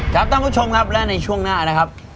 ท่านผู้ชมครับและในช่วงหน้านะครับ